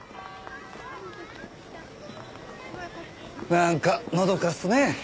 なんかのどかっすね。